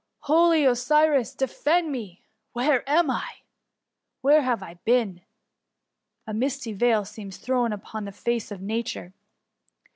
Holy Osiris, defend me ! where am I ? where have I been ? A misty veil seems thrown upon the face of nature.